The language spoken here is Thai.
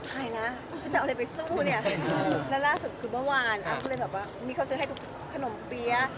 ถ่ายแล้วถ้าจะเอาอะไรไปสู้เนี่ย